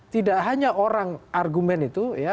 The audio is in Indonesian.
tidak hanya orang argumen itu ya